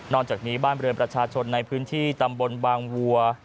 จากนี้บ้านเรือนประชาชนในพื้นที่ตำบลบางวัว